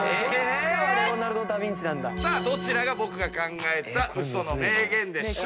さあどちらが僕が考えた嘘の名言でしょうか？